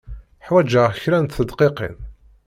Ḥwajeɣ kra n tedqiqin.